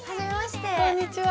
こんにちは。